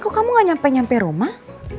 kok kamu gak nyampe nyampe rumah